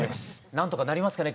なんとかなりますかね？